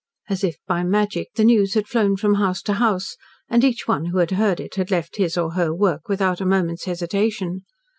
As if by magic, the news had flown from house to house, and each one who had heard it had left his or her work without a moment's hesitation.